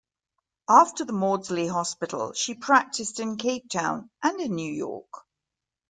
After the Maudsley Hospital she practised in Cape Town and in New York.